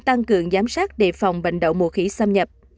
tăng cường giám sát đề phòng bệnh đậu mùa khỉ xâm nhập